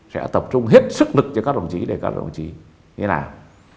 sẽ tập trung hết sức lực cho các đồng chí để các đồng chí đi làm